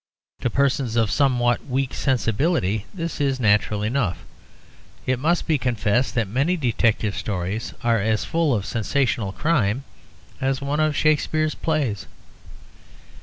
To persons of somewhat weak sensibility this is natural enough; it must be confessed that many detective stories are as full of sensational crime as one of Shakespeare's plays.